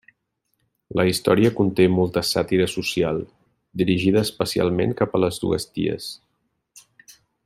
La història conté molta sàtira social, dirigida especialment cap a les dues ties.